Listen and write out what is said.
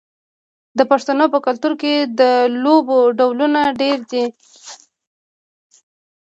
د پښتنو په کلتور کې د لوبو ډولونه ډیر دي.